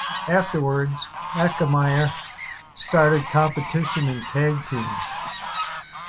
Afterwards, Akiyama started competition in tag teams.